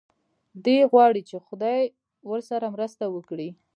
دی غواړي چې خدای ورسره مرسته وکړي.